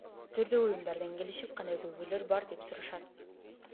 Түрдүү уюмдардан келишип, кандай көйгөйлөр бар деп сурашат.